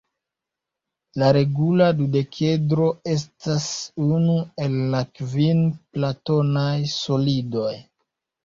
La regula dudekedro estas unu el la kvin platonaj solidoj.